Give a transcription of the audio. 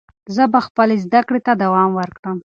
زه به خپلې زده کړې ته دوام ورکړم.